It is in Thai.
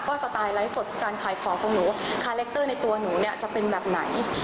สไตล์ไลฟ์สดการขายของของหนูคาแรคเตอร์ในตัวหนูเนี่ยจะเป็นแบบไหน